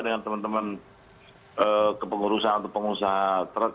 dengan teman teman kepengurusan atau pengusaha truk